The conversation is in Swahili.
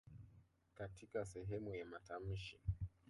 Katika sehemu ya matamshi.